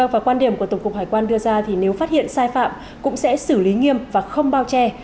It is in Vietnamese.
và quan điểm của tổng cục hải quan đưa ra thì nếu phát hiện sai phạm cũng sẽ xử lý nghiêm và không bao che